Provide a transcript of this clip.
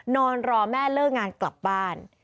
นอนรอแม่เลิกงานกลับบ้าน